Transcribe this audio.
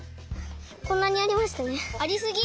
こんなにありましたね。ありすぎ！